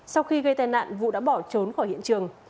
sau khi gây tai nạn vũ đã bỏ trốn khỏi hiện trường